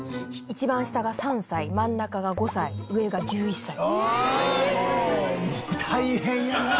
一番下が３歳真ん中が５歳上が１１歳。